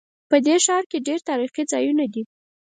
په دې ښار کې ډېر تاریخي ځایونه دي